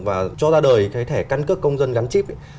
và cho ra đời cái thẻ căn cước công dân gắn chip ấy